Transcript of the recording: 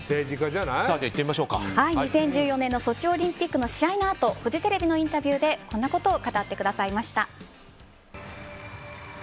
２０１４年ソチオリンピックの試合のあとフジテレビのインタビューでこんなことを語ってくださいました。